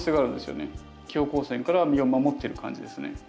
強光線から身を守ってる感じですね。